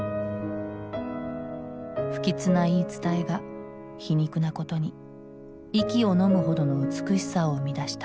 不吉な言い伝えが皮肉なことに息をのむほどの美しさを生み出した。